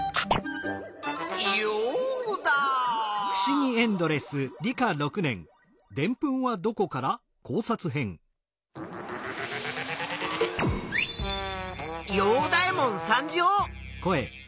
ヨウダ！ヨウダエモン参上。